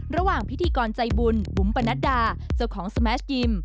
ระหว่างพิธีกรใจบุญบุ๋มปนัดดาเจ้าของสแมสยิม